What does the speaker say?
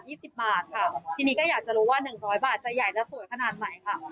สิบบาทค่ะทีนี้ก็อยากจะรู้ว่าหนึ่งร้อยบาทจะใหญ่จะสวยขนาดไหนค่ะ